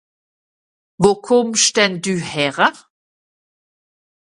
Wo kùmmsch denn dü häre?